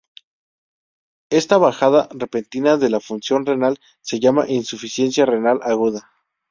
Esta bajada repentina de la función renal se llama insuficiencia renal aguda.